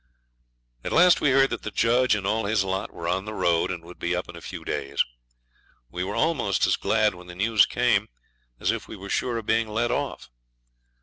At last we heard that the judge and all his lot were on the road, and would be up in a few days. We were almost as glad when the news came as if we were sure of being let off.